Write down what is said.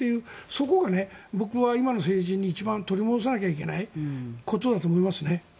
そこが、僕は今の政治に一番取り戻さないといけないことだと思います。